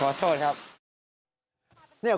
ขอโทษครับ